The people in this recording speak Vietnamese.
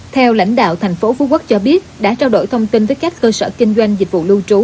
theo lãnh đạo thành phố phú quốc cho biết đã trao đổi thông tin với các cơ sở kinh doanh dịch vụ lưu trú